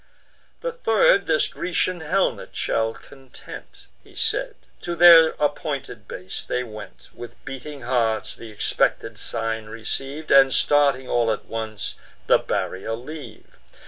The third this Grecian helmet shall content." He said. To their appointed base they went; With beating hearts th' expected sign receive, And, starting all at once, the barrier leave.